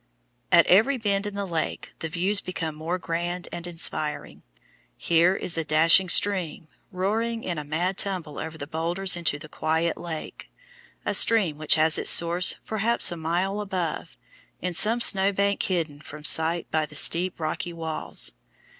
At every bend in the lake the views become more grand and inspiring. Here is a dashing stream, roaring in a mad tumble over the boulders into the quiet lake a stream which has its source perhaps a mile above, in some snow bank hidden from sight by the steep, rocky walls.